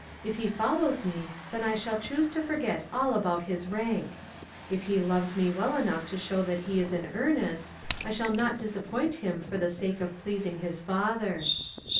If he follows me then I shall choose to forget all about his rank. If he loves me well enough to show that he is in earnest, I shall not disappoint him for the sake of pleasing his father."